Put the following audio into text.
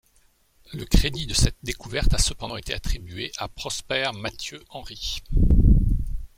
Le crédit de cette découverte a cependant été attribué à Prosper-Mathieu Henry.